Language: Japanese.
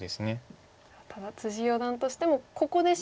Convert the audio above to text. ただ四段としてもここでシノげば。